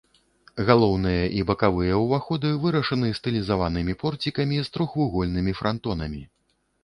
Галоўны і бакавыя ўваходы вырашаны стылізаванымі порцікамі з трохвугольнымі франтонамі.